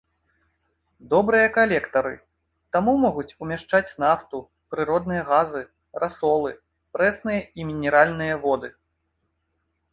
Добрыя калектары, таму могуць умяшчаць нафту, прыродныя газы, расолы, прэсныя і мінеральныя воды.